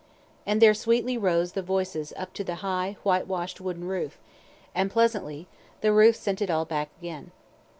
And there sweetly rose those voices up to the high, whitewash'd wooden roof, and pleasantly the roof sent it all back again.